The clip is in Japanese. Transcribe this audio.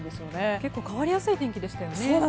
結構変わりやすい天気でしたよね。